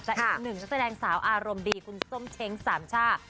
อีกหนึ่งนักแสดงสาวอารมณ์ดีคุณส้มเช้งสามช่า